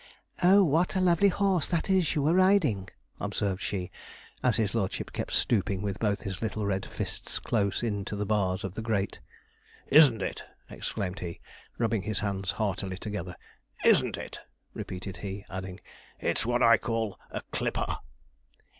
'Oh, what a lovely horse that is you were riding,' observed she, as his lordship kept stooping with both his little red fists close into the bars of the grate. 'Isn't it!' exclaimed he, rubbing his hands heartily together. 'Isn't it!' repeated he, adding, 'that's what I call a clipper.'